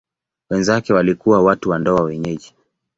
Wenzake walikuwa watu wa ndoa wenyeji.